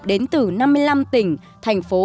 đến từ năm mươi năm tỉnh thành phố